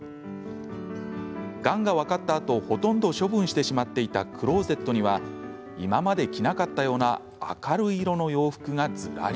がんが分かったあとほとんど処分してしまっていたクローゼットには今まで着なかったような明るい色の洋服が、ずらり。